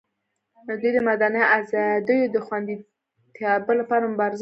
دوی د مدني ازادیو د خوندیتابه لپاره مبارزه وکړي.